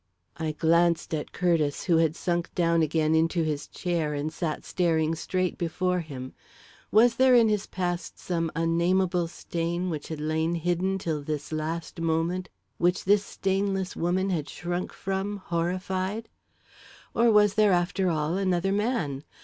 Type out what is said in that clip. I glanced at Curtiss, who had sunk down again into his chair and sat staring straight before him. Was there in his past some unnamable stain which had lain hidden till this last moment; which this stainless woman had shrunk from, horrified? Or was there, after all, another man?